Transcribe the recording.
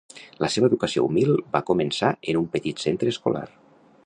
La seva educació humil va començar en un petit centre escolar.